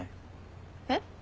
えっ？